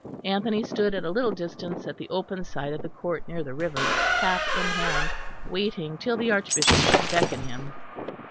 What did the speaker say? Anthony stood at a little distance at the open side of the court near the river, cap in hand, waiting till the Archbishop should beckon him.